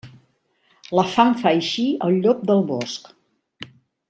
La fam fa eixir el llop del bosc.